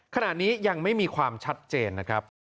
ขณะนี้ยังไม่มีความชัดเจนนะครับ